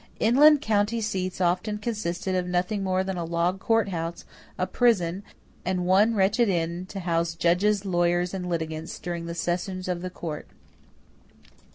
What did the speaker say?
Inland county seats often consisted of nothing more than a log courthouse, a prison, and one wretched inn to house judges, lawyers, and litigants during the sessions of the court.